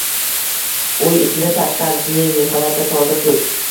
Uy ichini, tashqarisini nihoyatda toza tut.